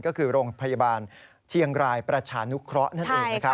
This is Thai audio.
ก็คือโรงพยาบาลเชียงรายประชานุเคราะห์นั่นเองนะครับ